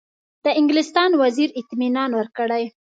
د انګلستان وزیر اطمینان ورکړی.